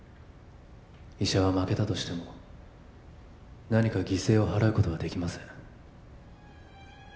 医者は負けたとしても何か犠牲を払うことはできません